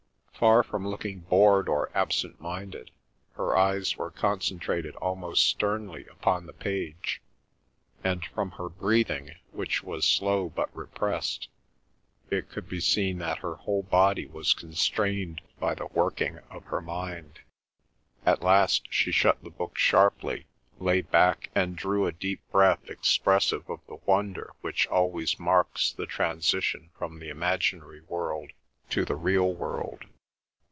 Far from looking bored or absent minded, her eyes were concentrated almost sternly upon the page, and from her breathing, which was slow but repressed, it could be seen that her whole body was constrained by the working of her mind. At last she shut the book sharply, lay back, and drew a deep breath, expressive of the wonder which always marks the transition from the imaginary world to the real world.